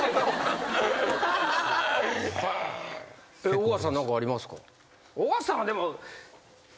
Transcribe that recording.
緒方さん何かありますか？